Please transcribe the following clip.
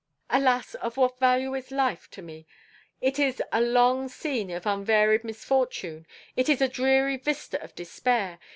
Alas, of what value is life to me! It is a long scene of unvaried misfortune. It is a dreary vista of despair.